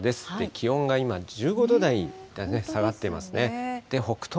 気温が今、１５度台に下がっていますね。